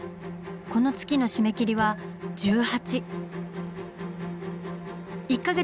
この月の締め切りは１８。